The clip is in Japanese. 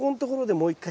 もう一回。